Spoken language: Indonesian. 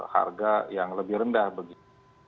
harga yang lebih rendah begitu